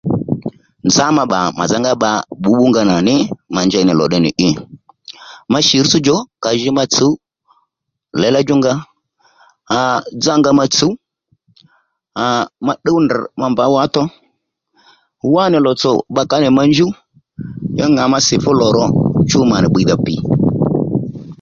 Nzá ma bbà mà nzángá bba bbǔbbú nga nà ní ma njey nì lò tde nì i ma shì rútsò djò à ji ma tsǔw lěylá djúnga à à dzá nga ma tsǔw à à ma tdúw drr ma mbǎ wǎtò wánì lòtsò bbǎkǎ nì ma njúw ya ŋà ma sî fú lò ro chú ma rà bbiydha pì